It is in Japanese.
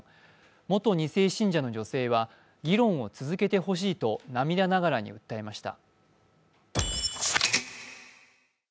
元２世信者の女性は議論を続けてほしいと涙ながらに訴えました。